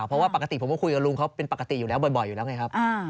เพราะว่าปกติผมก็คุยกับลุงเขาเป็นปกติอยู่แล้วบ่อยอยู่แล้วไงครับ